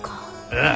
ああ。